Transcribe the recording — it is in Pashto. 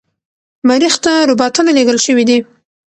مریخ ته روباتونه لیږل شوي دي.